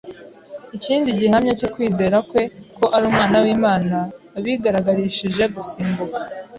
ikindi gihamya cyo kwizera kwe ko ari Umwana w’Imana abigaragarishije gusimbuka